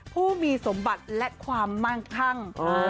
ผู้มีสมบัติและความมั่งคั่ง